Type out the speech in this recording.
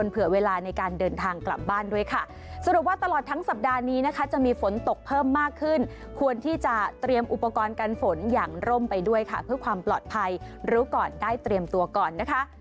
เผื่อเวลาในการเดินทางกลับบ้านด้วยค่ะสรุปว่าตลอดทั้งสัปดาห์นี้นะคะจะมีฝนตกเพิ่มมากขึ้นควรที่จะเตรียมอุปกรณ์กันฝนอย่างร่มไปด้วยค่ะเพื่อความปลอดภัยรู้ก่อนได้เตรียมตัวก่อนนะคะ